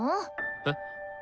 えっ？